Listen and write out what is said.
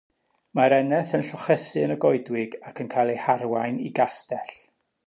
Mae'r eneth yn llochesu yn y goedwig ac yn cael ei harwain i gastell.